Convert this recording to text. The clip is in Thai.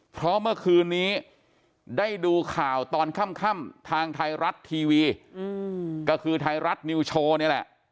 เพราะเมื่อคืนนี้ได้ดูข่าวตอนค่ำทางไทยรัฐทีวีก็คือไทยรัฐนิวโชว์นี่แหละ